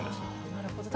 なるほど。